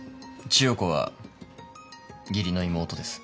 千代子は義理の妹です。